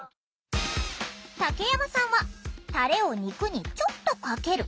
竹山さんは「たれを肉にちょっとかける」。